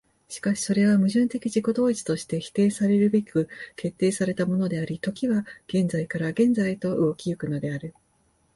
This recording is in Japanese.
しかしそれは矛盾的自己同一として否定せられるべく決定せられたものであり、時は現在から現在へと動き行くのである。